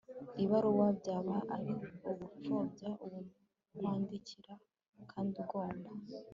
ibaruwa. byaba ari ugupfobya uwo wandikira kandi ugomba